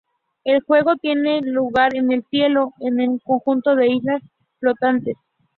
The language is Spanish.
El juego tiene lugar en el cielo, en un conjunto de islas flotantes.